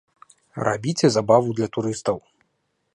Рабіце забаву для турыстаў.